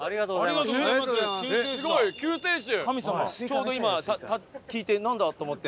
ちょうど今聞いて「なんだ？」と思って？